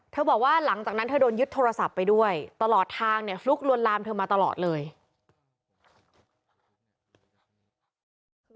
บอกว่าหลังจากนั้นเธอโดนยึดโทรศัพท์ไปด้วยตลอดทางเนี่ยฟลุกลวนลามเธอมาตลอดเลย